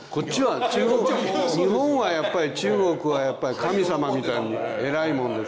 日本はやっぱり中国は神様みたいに偉いもんですからね。